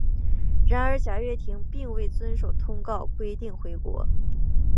然而贾跃亭并未遵守通告规定回国。